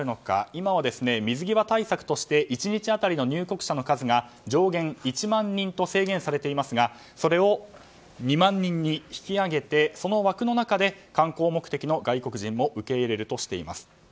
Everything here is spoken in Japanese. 今は水際対策として１日当たりの入国者の数が上限１万人と制限されていますがそれを２万人に引き上げてその枠の中で観光目的の外国人も受け入れるとしています。